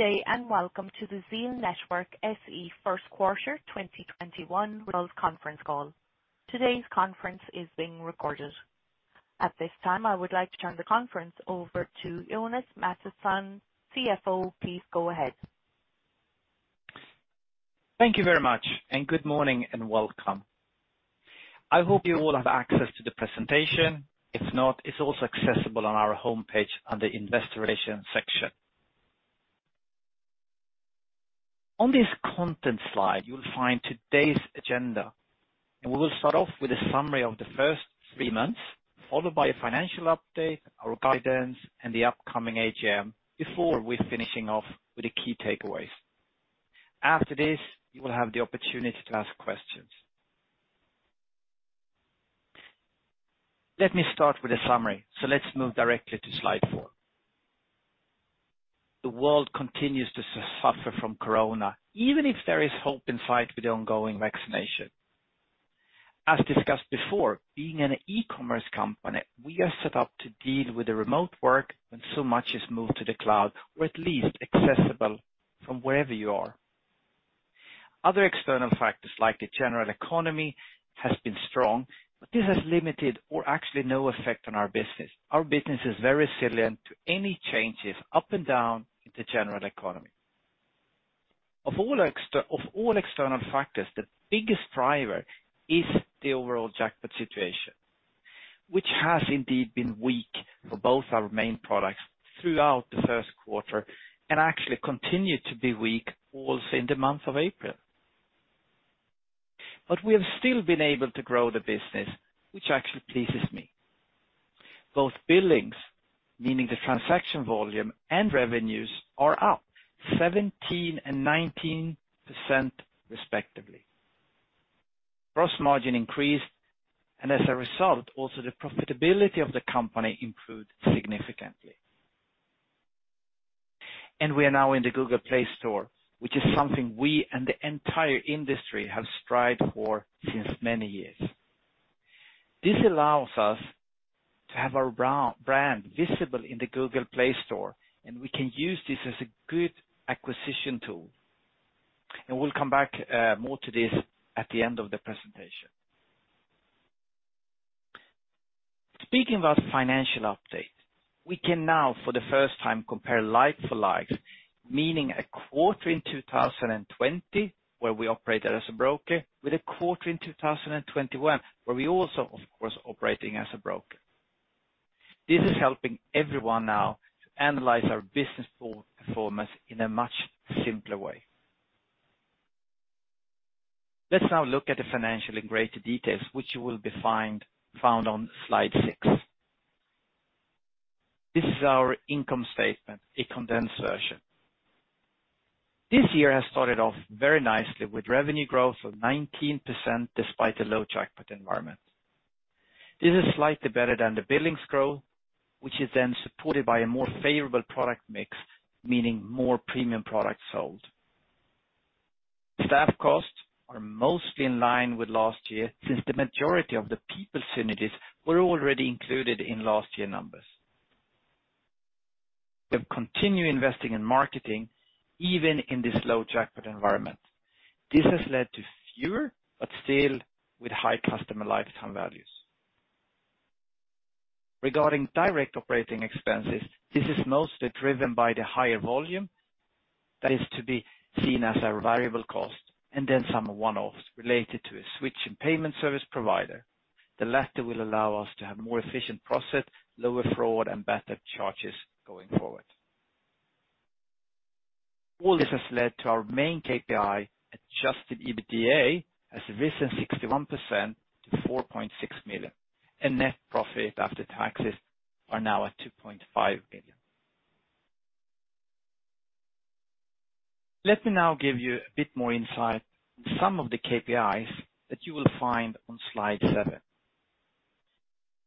Good day, and welcome to the ZEAL Network SE First Quarter 2021 results conference call. Today's conference is being recorded. At this time, I would like to turn the conference over to Jonas Mattsson, CFO. Please go ahead. Thank you very much, and good morning, and welcome. I hope you all have access to the presentation. If not, it's also accessible on our homepage under the investor relations section. On this content slide, you'll find today's agenda, and we will start off with a summary of the first three months, followed by a financial update, our guidance, and the upcoming AGM before we finish off with the key takeaways. After this, you will have the opportunity to ask questions. Let me start with a summary. Let's move directly to slide four. The world continues to suffer from Corona, even if there is hope in sight with the ongoing vaccination. As discussed before, being an e-commerce company, we are set up to deal with remote work when so much is moved to the cloud, or at least accessible from wherever you are. Other external factors, like the general economy, has been strong, but this has limited or actually no effect on our business. Our business is very resilient to any changes up and down in the general economy. Of all external factors, the biggest driver is the overall jackpot situation, which has indeed been weak for both our main products throughout the first quarter, and actually continued to be weak also in the month of April. We have still been able to grow the business, which actually pleases me. Both billings, meaning the transaction volume, and revenues are up 17% and 19% respectively. Gross margin increased; as a result, the profitability of the company also improved significantly. We are now in the Google Play Store, which is something we and the entire industry have strived for since many years. This allows us to have our brand visible in the Google Play Store, and we can use this as a good acquisition tool. We'll come back to this more at the end of the presentation. Speaking about the financial update, we can now, for the first time, compare like-for-like, meaning a quarter in 2020 where we operated as a broker with a quarter in 2021, where we also, of course, operating as a broker. This is helping everyone now to analyze our business performance in a much simpler way. Let's now look at the financials in greater detail, which will be found on slide six. This is our income statement, a condensed version. This year has started off very nicely with revenue growth of 19% despite the low jackpot environment. This is slightly better than the billings growth, which is then supported by a more favorable product mix, meaning more premium products sold. Staff costs are mostly in line with last year, since the majority of the people synergies were already included in last year's numbers. We have continued investing in marketing, even in this low jackpot environment. This has led to fewer, but still with high customer lifetime values. Regarding direct operating expenses, this is mostly driven by the higher volume that is to be seen as our variable cost, and then some one-offs related to a switch in payment service provider. The latter will allow us to have a more efficient process, lower fraud, and better charges going forward. All this has led to our main KPI, adjusted EBITDA, has risen 61% to 4.6 million. Net profit after taxes are now at 2.5 million. Let me now give you a bit more insight on some of the KPIs that you will find on slide seven.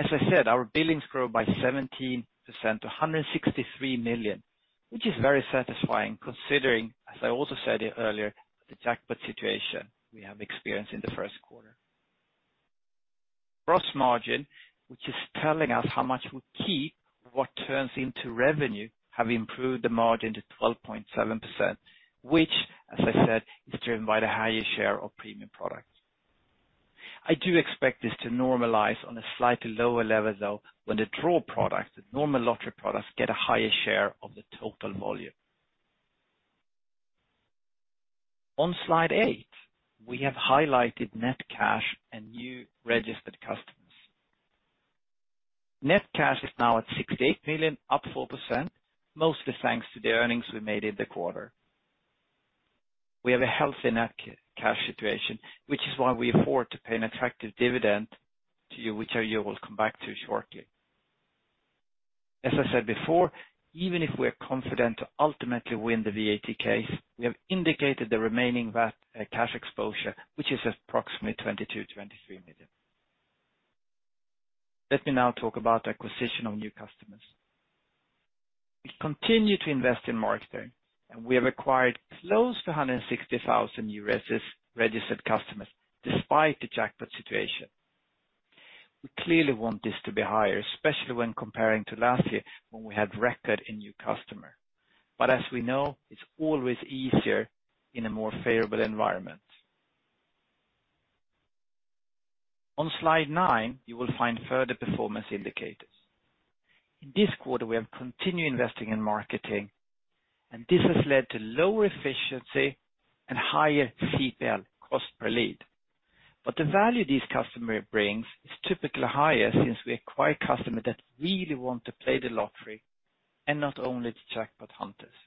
As I said, our billings grow by 17% to 163 million, which is very satisfying considering, as I also said earlier, the jackpot situation we have experienced in the first quarter. Gross margin, which is telling us how much we keep, what turns into revenue, have improved the margin to 12.7%, which, as I said, is driven by the higher share of premium product. I do expect this to normalize on a slightly lower level, though, when the draw product, the normal lottery products, get a higher share of the total volume. On slide eight, we have highlighted net cash and new registered customers. Net cash is now at 68 million, up 4%, mostly thanks to the earnings we made in the quarter. We have a healthy net cash situation, which is why we can afford to pay an attractive dividend to you, which I will come back to shortly. As I said before, even if we are confident to ultimately win the VAT case, we have indicated the remaining VAT cash exposure, which is approximately 22 million-23 million. Let me now talk about the acquisition of new customers. We continue to invest in marketing, we have acquired close to 160,000 new registered customers despite the jackpot situation. We clearly want this to be higher, especially when comparing to last year when we had a record in new customers. As we know, it's always easier in a more favorable environment. On slide nine, you will find further performance indicators. In this quarter, we have continued investing in marketing, this has led to lower efficiency and higher CPL, Cost per Lead. The value this customer brings is typically higher since we acquire customer that really want to play the lottery and not only the jackpot hunters.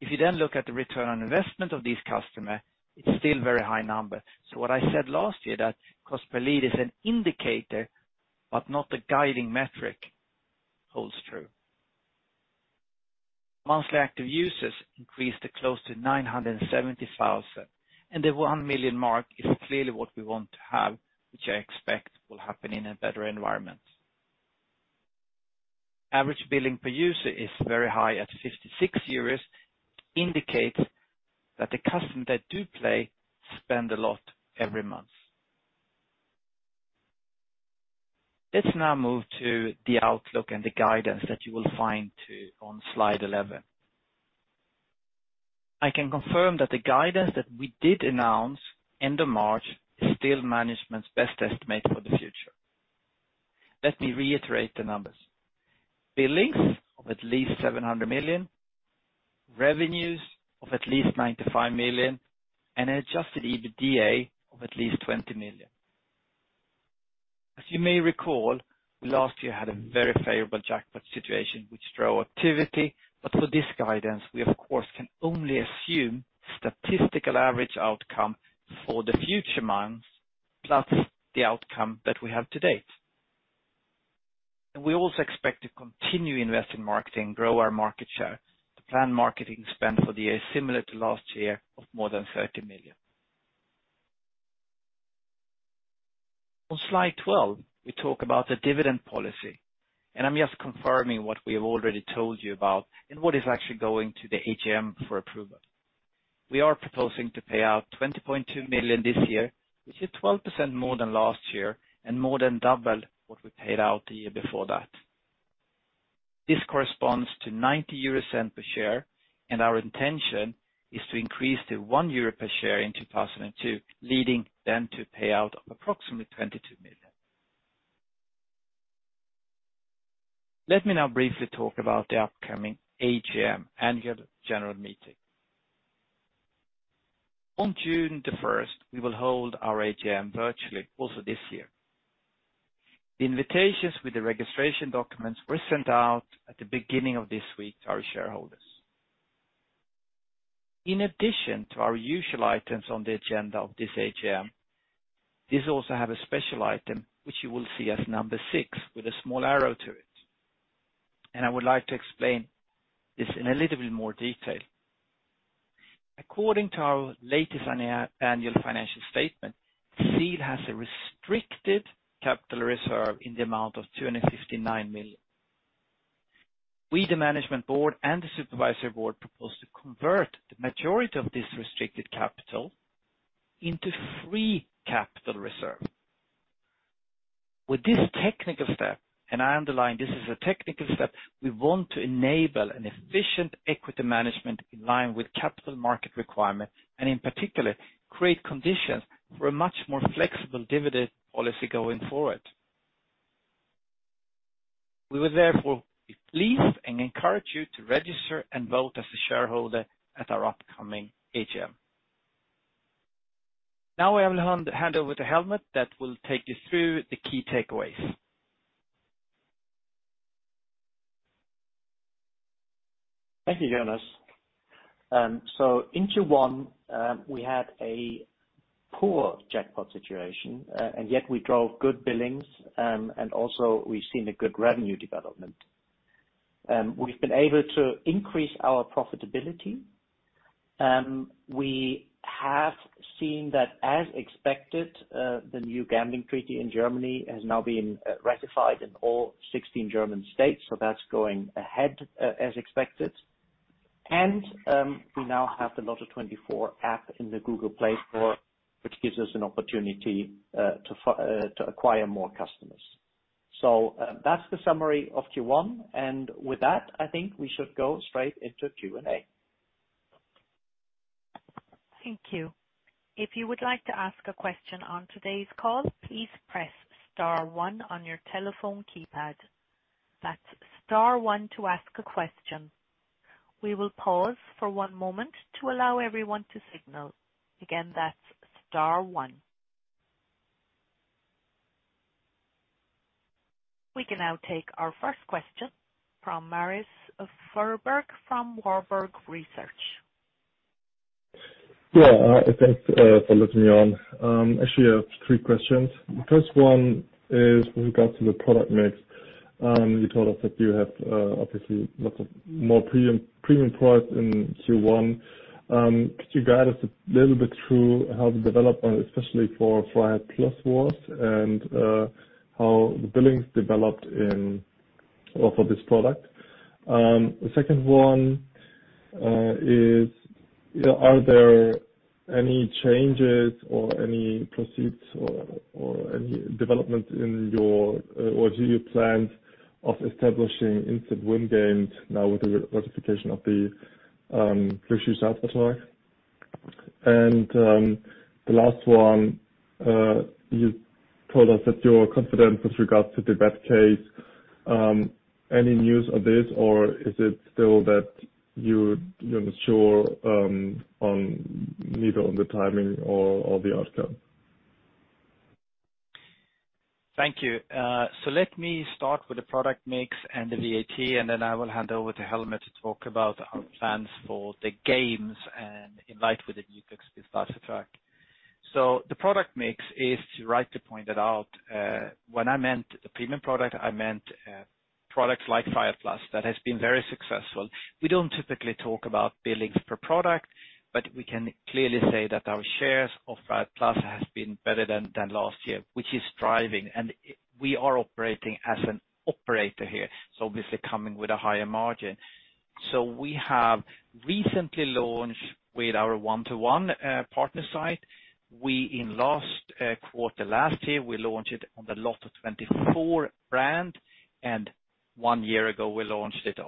You then look at the return on investment of this customer, it's still a very high number. What I said last year, that cost per lead is an indicator but not the guiding metric, holds true. Monthly active users increased to close to 970,000, and the 1 million mark is clearly what we want to have, which I expect will happen in a better environment. Average billing per user is very high at 56 euros, indicates that the customers that do play spend a lot every month. Let's now move to the outlook and the guidance that you will find too on slide 11. I can confirm that the guidance that we did announce end of March is still management's best estimate for the future. Let me reiterate the numbers. Billings of at least 700 million, revenues of at least 95 million, and an adjusted EBITDA of at least 20 million. As you may recall, last year had a very favorable jackpot situation, which drove activity. For this guidance, we of course can only assume a statistical average outcome for the future months, plus the outcome that we have to date. We also expect to continue investing in marketing and grow our market share. The planned marketing spend for the year, similar to last year, of more than 30 million. On slide 12, we talk about the dividend policy, and I'm just confirming what we have already told you about and what is actually going to the AGM for approval. We are proposing to pay out 20.2 million this year, which is 12% more than last year and more than double what we paid out the year before that. This corresponds to 0.90 per share, and our intention is to increase to 1 euro per share in 2022, leading then to a payout of approximately 22 million. Let me now briefly talk about the upcoming AGM, the annual general meeting. On June 1st, we will hold our AGM virtually also this year. The invitations with the registration documents were sent out at the beginning of this week to our shareholders. In addition to our usual items on the agenda of this AGM, these also have a special item, which you will see as number six with a small arrow to it. I would like to explain this in a little bit more detail. According to our latest annual financial statement, ZEAL has a restricted capital reserve in the amount of 259 million. We, the management board and the supervisory board, propose to convert the majority of this restricted capital into a free capital reserve. With this technical step, and I underline, this is a technical step, we want to enable an efficient equity management in line with capital market requirements, and in particular, create conditions for a much more flexible dividend policy going forward. We would therefore be pleased and encourage you to register and vote as a shareholder at our upcoming AGM. Now I will hand over to Helmut, who will take you through the key takeaways. Thank you, Jonas. In Q1, we had a poor jackpot situation, yet we drove good billings, and we've also seen a good revenue development. We've been able to increase our profitability. We have seen that, as expected, the new gambling treaty in Germany has now been ratified in all 16 German states, that's going ahead as expected. We now have the Lotto24 app in the Google Play Store, which gives us an opportunity to acquire more customers. That's the summary of Q1. With that, I think we should go straight into Q&A. Thank you. If you would like to ask a question on today's call, please press star one on your telephone keypad. That's star one to ask a question. We will pause for one moment to allow everyone to signal. Again, that's star one. We can now take our first question from Marius Fuhrberg from Warburg Research. Yeah. Thanks for letting me on. Actually, I have three questions. The first one is with regard to the product mix. You told us that you have, obviously, lots of more premium products in Q1. Could you guide us a little bit through how the development, especially for freiheit+, was and how the billings developed for this product? The second one is, are there any changes or any proceeds or any development in your plans of establishing instant win games now with the ratification of the? The last one, you told us that you're confident with regard to the VAT case. Any news of this, or is it still that you're not sure on neither the timing or the outcome? Thank you. Let me start with the product mix and the VAT, and then I will hand over to Helmut to talk about our plans for the games and in light with the new track. The product mix is, you're right to point it out. When I meant the premium product, I meant products like freiheit+, that has been very successful. We don't typically talk about billings per product, but we can clearly say that our share of freiheit+ has been better than last year, which is thriving. We are operating as an operator here, so obviously coming with a higher margin. We have recently launched with our 1&1 partner site. Last quarter last year, we launched it on the Lotto24 brand, and one year ago, we launched it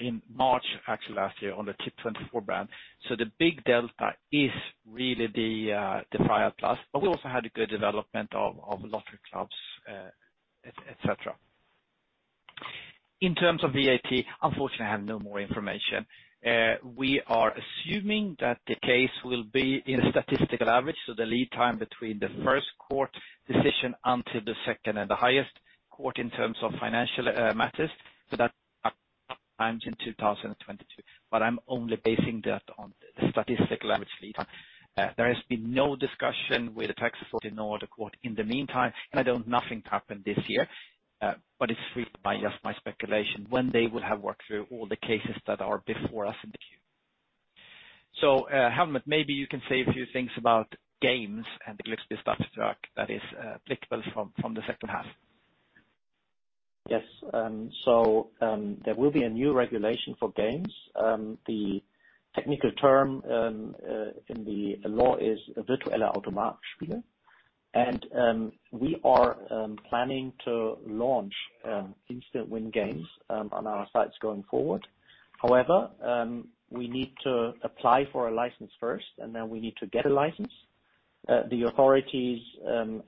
in March, actually last year, on the Tipp24 brand. The big delta is really the freiheit+, but we also had a good development of lottery clubs, et cetera. In terms of VAT, unfortunately, I have no more information. We are assuming that the case will be in the statistical average, the lead time between the first court decision until the second, and the highest court in terms of financial matters. That in 2022. I'm only basing that on the statistical average lead time. There has been no discussion with the tax court nor the court in the meantime, and I know nothing happened this year. It's really just my speculation when they would have worked through all the cases that are before us in the queue. Helmut, maybe you can say a few things about games and the that is applicable from the second half. Yes. There will be a new regulation for games. The technical term in the law is Virtuelle Automatenspiele. We are planning to launch instant win games on our sites going forward. However, we need to apply for a license first, and then we need to get a license. The authorities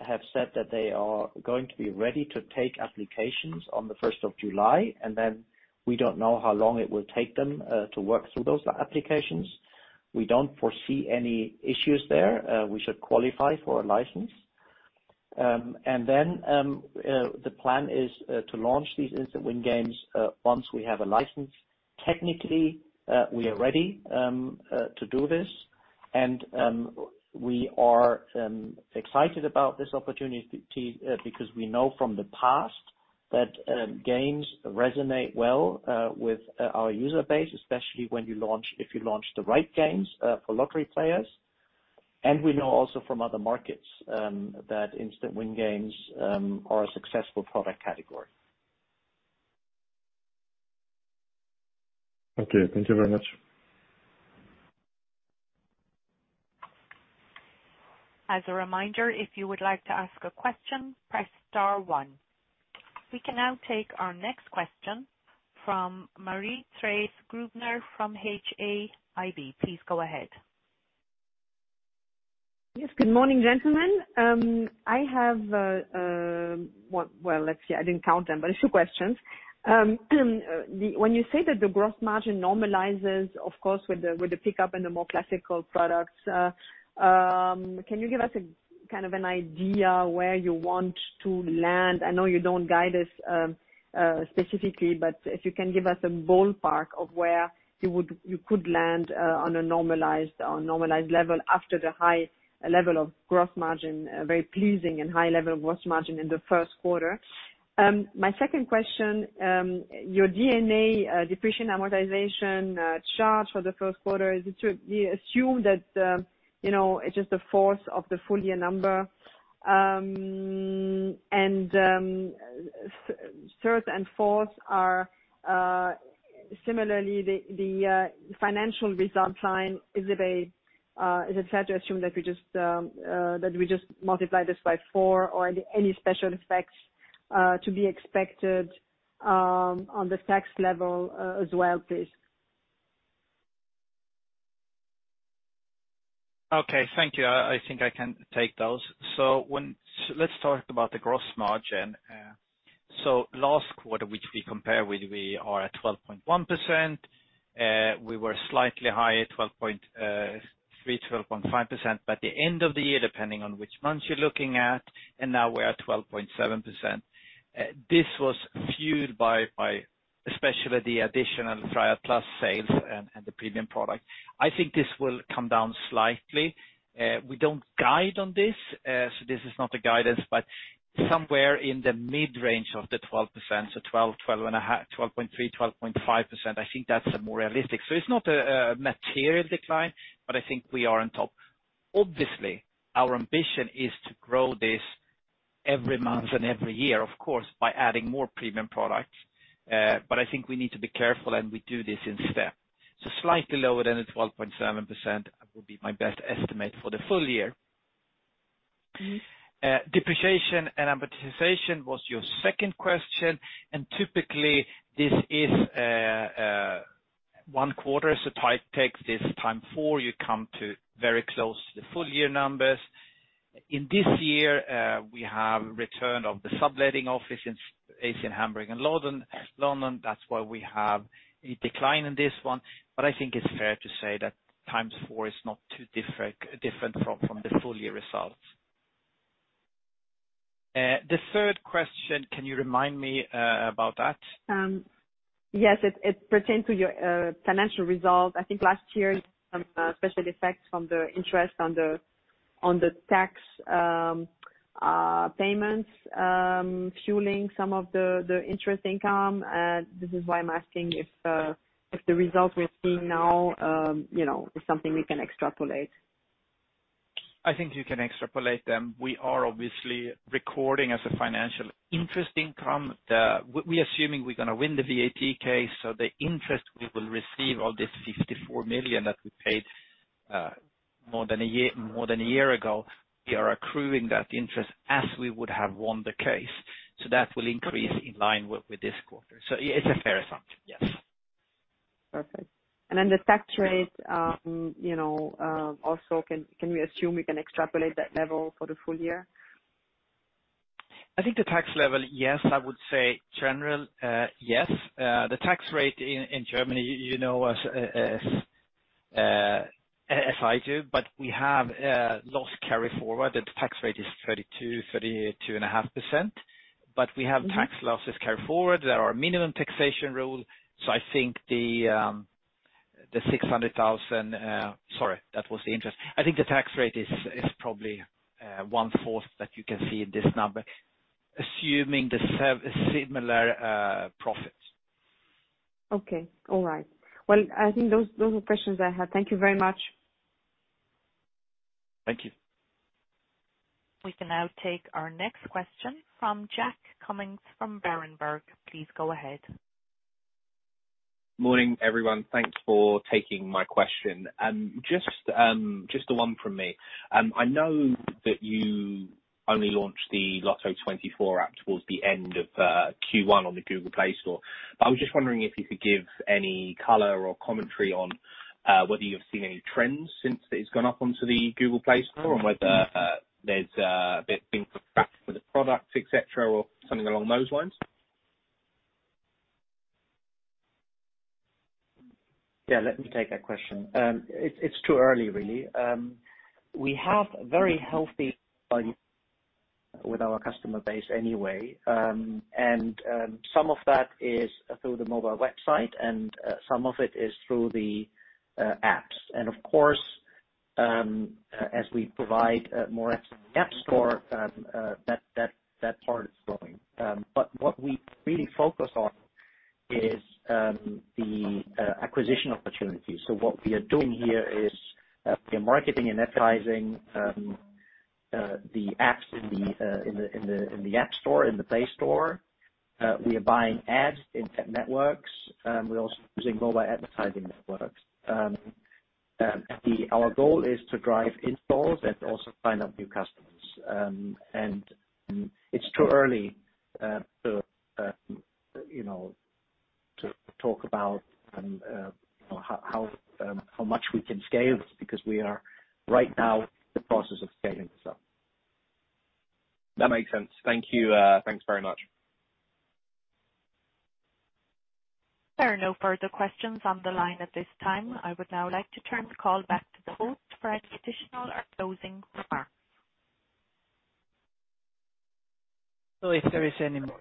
have said that they are going to be ready to take applications on the 1st of July, and then we don't know how long it will take them to work through those applications. We don't foresee any issues there. We should qualify for a license. The plan is to launch these instant-win games once we have a license. Technically, we are ready to do this. We are excited about this opportunity because we know from the past that games resonate well with our user base, especially if you launch the right games for lottery players. We also know from other markets that instant win games are a successful product category. Okay. Thank you very much. As a reminder, if you would like to ask a question, press star one. We can now take our next question from Marie-Thérèse Grübner, from HAIB. Please go ahead. Yes. Good morning, gentlemen. I have, well, let's see. I didn't count them, but it's two questions. When you say that the gross margin normalizes, of course, with the pickup and the more classical products, can you give us kind of an idea where you want to land? I know you don't guide us specifically, but if you can give us a ballpark of where you could land on a normalized level after the high level of gross margin, a very pleasing and high level gross margin in the first quarter. My second question, your D&A depreciation amortization charge for the first quarter, do you assume that it's just a fourth of the full year number? Third and fourth are similarly the financial result line. Is it fair to assume that we just multiply this by four, or any special effects to be expected on the tax level as well, please? Okay. Thank you. I think I can take those. Let's talk about the gross margin. Last quarter, which we compare with, we are at 12.1%. We were slightly higher at 12.3%, 12.5% by the end of the year, depending on which month you're looking at, and now we are 12.7%. This was fueled by especially the additional freiheit+ sales and the premium product. I think this will come down slightly. We don't guide on this, so this is not guidance, but somewhere in the mid-range of the 12%, so 12%, 12.5%, 12.3%, 12.5%, I think that's more realistic. It's not a material decline, but I think we are on top. Obviously, our ambition is to grow this every month and every year, of course, by adding more premium products. I think we need to be careful, and we do this in steps. Slightly lower than the 12.7% would be my best estimate for the full year. Depreciation and amortization was your second question, and typically this is one quarter, so take this times four, you come very close to the full-year numbers. In this year, we have the return of the subletting office in Hamburg and London. That's why we have a decline in this one. I think it's fair to say that times four is not too different from the full-year results. The third question: Can you remind me about that? Yes. It pertained to your financial results. I think last year, some special effects from the interest on the tax payments fueling some of the interest income. This is why I'm asking if the results we're seeing now is something we can extrapolate. I think you can extrapolate them. We are obviously recording as financial interest income. We're assuming we're going to win the VAT case, so the interest we will receive on this 54 million that we paid more than a year ago, we are accruing that interest as we would have won the case. That will increase in line with this quarter. It's a fair assumption. Yes. Perfect. The tax rate, also, can we assume we can extrapolate that level for the full year? I think the tax level, yes, I would say general, yes. The tax rate in Germany, you know as I do, we have a loss carry-forward, that the tax rate is 32.5%. We have tax losses carry-forward. There are minimum taxation rules. I think the 600,000. Sorry, that was the interest. I think the tax rate is probably 1/4 that you can see in this number, assuming a similar profit. Okay. All right. Well, I think those are the questions I had. Thank you very much. Thank you. We can now take our next question from Jack Cummings from Berenberg. Please go ahead. Morning, everyone. Thanks for taking my question. Just the one from me. I know that you only launched the Lotto24 app towards the end of Q1 on the Google Play Store. I was just wondering if you could give any color or commentary on whether you've seen any trends since it's gone up onto the Google Play Store or whether there's been some traction with the product, et cetera, or something along those lines. Let me take that question. It's too early, really. We have very healthy with our customer base anyway, and some of that is through the mobile website and some of it is through the apps. Of course, as we provide more apps in the App Store, that part is growing. What we really focus on is the acquisition opportunity. What we are doing here is we are marketing and advertising the apps in the App Store, in the Play Store. We are buying ads in tech networks. We're also using mobile advertising networks. Our goal is to drive installs and also sign up new customers. It's too early to talk about how much we can scale because we are right now in the process of scaling this up. That makes sense. Thank you. Thanks very much. There are no further questions on the line at this time. I would now like to turn the call back to the host for any additional or closing remarks. If there is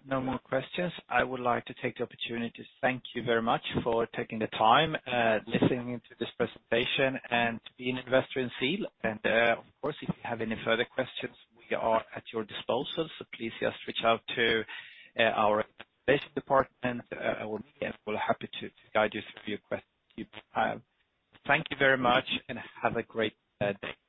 no more questions, I would like to take the opportunity to thank you very much for taking the time to listen to this presentation and for being an investor in ZEAL. Of course, if you have any further questions, we are at your disposal. Please just reach out to our investment department or me, and we're happy to guide you through your questions. Thank you very much, and have a great day.